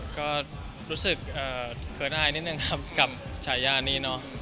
ก็รู้สึกเขินอายนิดนึงครับกับฉายานี้เนาะ